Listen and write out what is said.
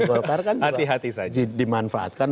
golkar kan dimanfaatkan